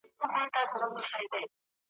ورته کښې یې ښوده ژر یوه تلکه ,